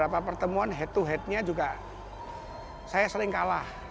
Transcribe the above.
lebih berdua juga saya sering kalah seakuin lebih banyak juga saya sering kalah saya akui lebih banyak